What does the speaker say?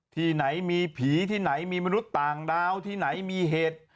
ที่ไหนมีผีที่ไหนมีมนุษย์ต่างดาวที่ไหนมีเหตุ